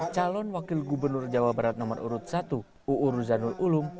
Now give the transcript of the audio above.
calon wakil gubernur jawa barat nomor urut satu uu ruzanul ulum